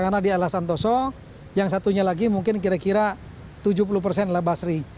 karena dia adalah santoso yang satunya lagi mungkin kira kira tujuh puluh persen adalah basri